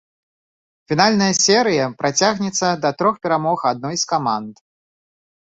Фінальная серыя працягнецца да трох перамог адной з каманд.